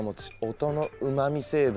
音のうまみ成分。